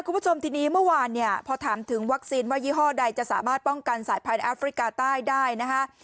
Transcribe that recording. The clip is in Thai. คุณผู้ชมทีนี้เมื่อวานเนี่ยพอถามถึงวัคซีนว่ายี่ห้อใดจะสามารถป้องกันสายพันธุ์แอฟริกาใต้ได้นะคะ